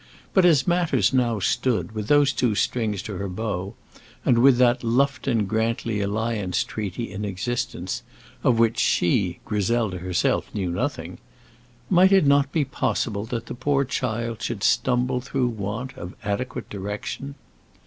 But as matters now stood, with those two strings to her bow, and with that Lufton Grantly alliance treaty in existence of which she, Griselda herself, knew nothing might it not be possible that the poor child should stumble through want of adequate direction?